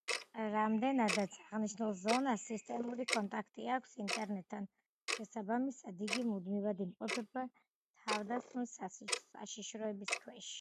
რამდენადაც აღნიშნულ ზონას სისტემატიური კონტაქტი აქვს ინტერნეტთან, შესაბამისად იგი მუდმივად იმყოფება თავდასხმის საშიშროების ქვეშ.